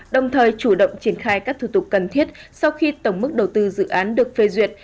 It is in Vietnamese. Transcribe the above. đồng thời chủ động triển khai các thủ tục cần thiết sau khi tổng mức đầu tư dự án được phê duyệt